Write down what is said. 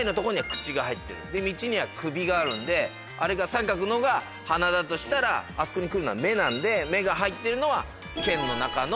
「道」には「首」があるんであれが三角のが「鼻」だとしたらあそこに来るのは「目」なので「目」が入ってるのは「県」の中の。